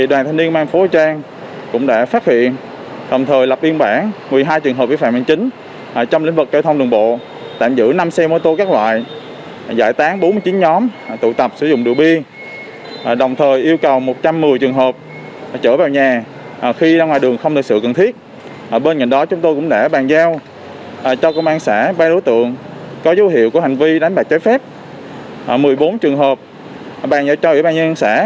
có dấu hiệu của hành vi đánh bạc chế phép một mươi bốn trường hợp bản giao cho ủy ban nhân sản xử lý việc phạm hành chính liên quan đến không đeo khẩu trang khi đi ra ngoài đường